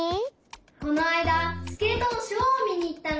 このあいだスケートのショーをみにいったの。